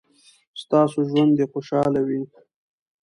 ستاسو ژوند دې خوشحاله وي.